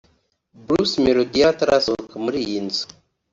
Bruce Melody yari atarasohoka muri iyi nzu